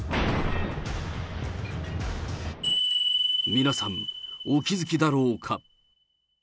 皆さん、お気付きだろうか。